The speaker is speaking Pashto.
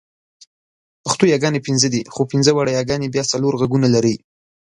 پښتو یاګانې پنځه دي، خو پنځه واړه یاګانې بیا څلور غږونه لري.